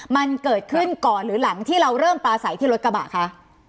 มันเกิดขึ้นก่อนหรือหลังที่เราเริ่มปลาใสที่รถกระบะคะ